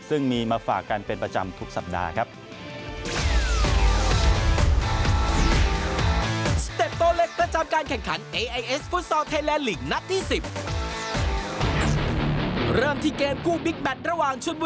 ซึ่งมีมาฝากกันเป็นประจำทุกสัปดาห์ครับ